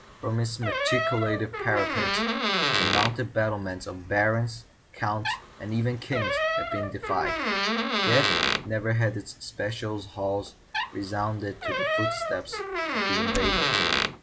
From its machicolated parapets and mounted battlements Barons, Counts, and even Kings had been defied, yet never had its spacious halls resounded to the footstep of the invader.